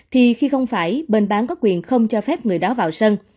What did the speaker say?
thì khi không phải bên bán có quyền không cho phép người đó vào sân